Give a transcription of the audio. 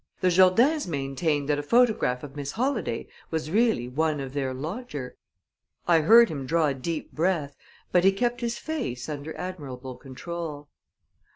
"The Jourdains maintained that a photograph of Miss Holladay was really one of their lodger." I heard him draw a deep breath, but he kept his face under admirable control.